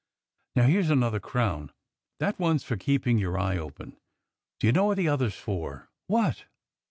Now here's another crown — that one's for keeping your eye open — do you know what the other's for? " "What.?"